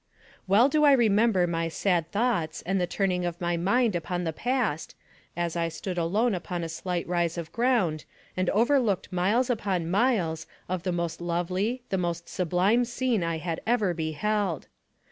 Well do I remember my sad thoughts and the turning of my mind upon the past, as I stood alone upon a slight rise of ground, and overlooked miles upon miles of the most lovely, the most sublime scene I had ever beheld.